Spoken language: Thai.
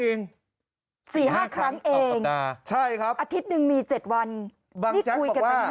เองสี่ห้าครั้งเองสัปดาห์ใช่ครับอาทิตย์นึงมีเจ็ดวันบางแจ๊คบอกว่า